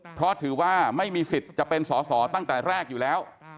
เพราะถือว่าไม่มีสิทธิ์จะเป็นสอสอตั้งแต่แรกอยู่แล้ว